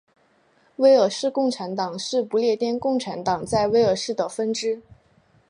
威尔士共产党是不列颠共产党在威尔士的分支。